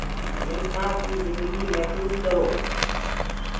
مکيآنٚ ڪي جنگي مهڦوج ڪرو۔